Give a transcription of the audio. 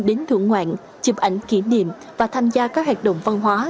đến thưởng ngoạn chụp ảnh kỷ niệm và tham gia các hoạt động văn hóa